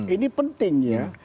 ini penting ya